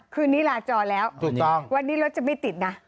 คืนนี้ลาจอแล้ววันนี้รถจะไม่ติดนะ